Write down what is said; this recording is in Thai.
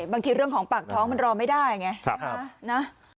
บางทีเรื่องของปากท้องมันรอไม่ได้ไง